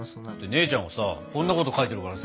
姉ちゃんがさこんなこと書いてるからさ。